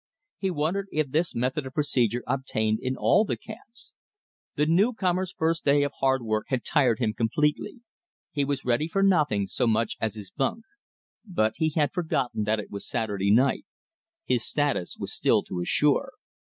He wondered if this method of procedure obtained in all the camps. The newcomer's first day of hard work had tired him completely. He was ready for nothing so much as his bunk. But he had forgotten that it was Saturday night. His status was still to assure.